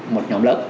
một nhóm lớp